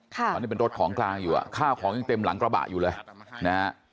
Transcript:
ตอนนี้เป็นรถของกลางอยู่อ่ะข้าวของยังเต็มหลังกระบะอยู่เลยนะฮะ